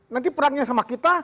nanti perangnya sama kita